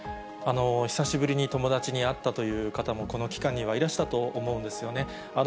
久しぶりに友達に会ったという方も、この期間にはいらしたと思うんですよね。